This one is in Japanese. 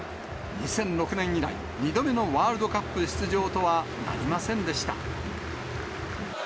２００６年以来、２度目のワールドカップ出場とはなりませんでした。